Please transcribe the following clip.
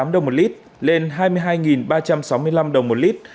một trăm năm mươi tám đồng một lít lên hai mươi hai ba trăm sáu mươi năm đồng một lít